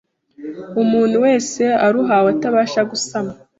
umuntu wese uruhawe atabasha gusama